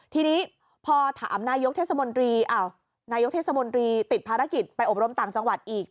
ทีนี้พอถามนายกเทศบนรีติดภารกิจไปอบรมต่างจังหวัดอีก